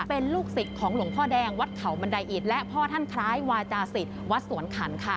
เป็นลูกศิษย์ของหลวงพ่อแดงวัดเขาบันไดอิตและพ่อท่านคล้ายวาจาศิษย์วัดสวนขันค่ะ